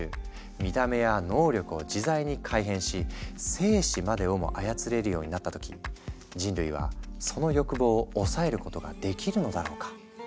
見た目や能力を自在に改変し生死までをも操れるようになった時人類はその欲望を抑えることができるのだろうか。